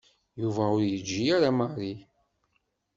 Yuba ur yeǧǧi ara Mary.